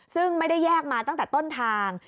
ซึ่งไม่ได้แยกมาตั้งแต่ต้นทาง